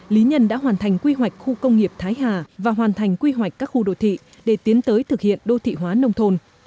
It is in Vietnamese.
lý nhân đã hoàn thành quy hoạch khu công nghiệp thái hà và hoàn thành quy hoạch các khu đồ thị để tiến tới thực hiện đô thị hóa nông thôn